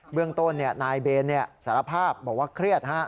เรื่องต้นนายเบนสารภาพบอกว่าเครียด